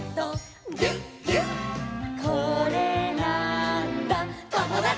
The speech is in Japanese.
「これなーんだ『ともだち！』」